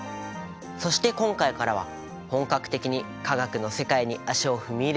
そして今回からは本格的に化学の世界に足を踏み入れたいと思います。